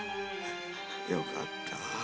よかったぁ。